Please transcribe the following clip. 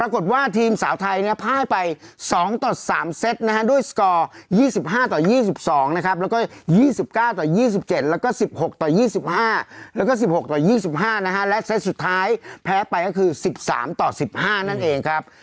สุดท้ายแพ้ไปก็คือ๑๓ต่อ๑๕นั่นเองครับ